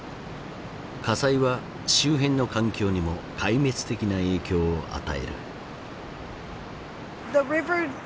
火災は周辺の環境にも壊滅的な影響を与える。